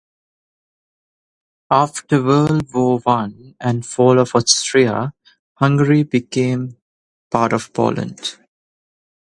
After World War One and fall of Austria-Hungary it became part of Poland.